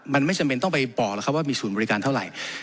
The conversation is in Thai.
มันไม่จำเป็นต้องไปบอกแล้วครับว่ามีศูนย์บริการเท่าไหร่